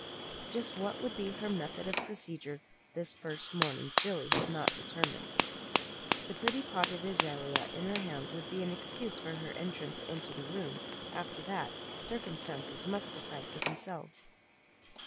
Just what would be her method of procedure this first morning, Billy had not determined. The pretty potted azalea in her hand would be excuse for her entrance into the room. After that, circumstances must decide for themselves.